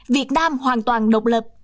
việt nam hoàn toàn độc lập